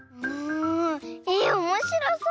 えおもしろそう！